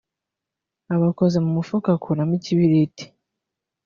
Aba akoze mu mufuka akuramo ikibiriti